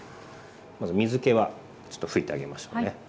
まず水けはちょっと拭いてあげましょうね。